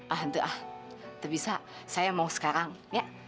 ah ente ah tepi sak saya mau sekarang ya